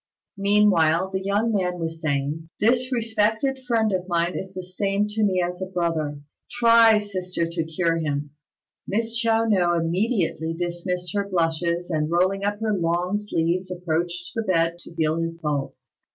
Meanwhile the young man was saying, "This respected friend of mine is the same to me as a brother. Try, sister, to cure him." Miss Chiao no immediately dismissed her blushes, and rolling up her long sleeves approached the bed to feel his pulse.